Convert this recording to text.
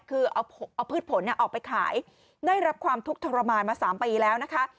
คือเอาพืชผลออกไปขายได้รับความทุกข์ทรมานมา๓ปีแล้วนะคะ